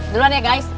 duluan ya guys